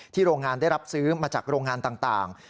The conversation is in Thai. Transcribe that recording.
โรงงานได้รับซื้อมาจากโรงงานต่าง